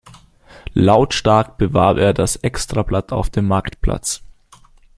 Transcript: Lautstark bewarb er das Extrablatt auf dem Marktplatz.